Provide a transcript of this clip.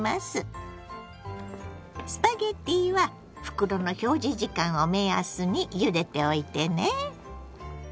スパゲッティは袋の表示時間を目安にゆでておいてね。